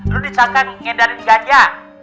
lo disahkan ngendarin gajah